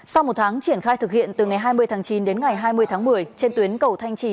sau một tháng triển khai thực hiện từ ngày hai mươi tháng chín đến ngày hai mươi tháng một mươi trên tuyến cầu thanh trì